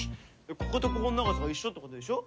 こことここの長さが一緒ってことでしょ？